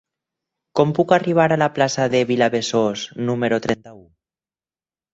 Com puc arribar a la plaça de Vilabesòs número trenta-u?